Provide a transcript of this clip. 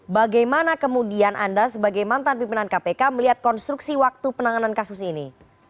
bagaimana kemudian anda sebagai mantan pimpinan kpk melihat konstruksi waktu penanganan kasus ini